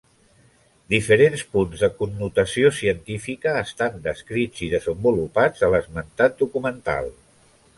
Diferents punts de connotació científica estan descrits i desenvolupats a l'esmentat documental.